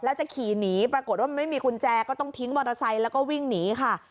แล้วจะขี่หนีปรากฏว่ามันไม่มีกุญแจก็ต้องทิ้งมอเตอร์ไซค์แล้วก็วิ่งหนีค่ะ